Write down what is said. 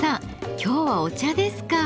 今日はお茶ですか。